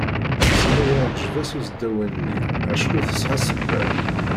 Sima yeɛǧeb-as usdawan-nni acku tesɛa sebba.